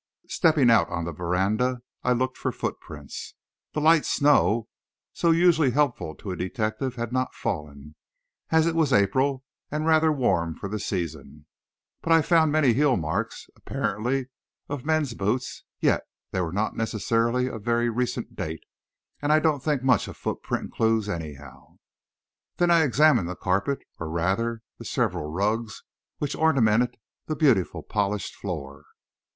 Stepping out on the veranda, I looked for footprints. The "light snow" usually so helpful to a detective had not fallen, as it was April, and rather warm for the season. But I found many heel marks, apparently of men's boots; yet they were not necessarily of very recent date, and I don't think much of foot print clues, anyhow. Then I examined the carpet, or, rather, the several rugs which ornamented the beautiful polished floor.